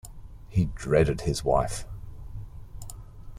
He dreaded his wife.